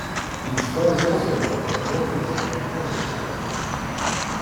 These flows also extend northeast to near Panguitch Lake.